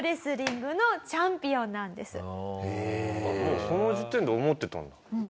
もうその時点で思ってたんだ。